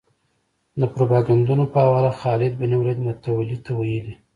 د پروپاګندونو په حواله خالد بن ولید متولي ته ویلي.